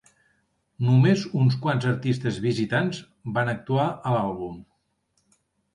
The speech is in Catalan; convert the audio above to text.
Només uns quants artistes visitants van actuar a l'àlbum.